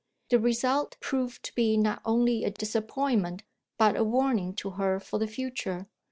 The result proved to be not only a disappointment, but a warning to her for the future.